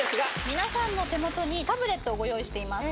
皆さんの手元にタブレットをご用意しています。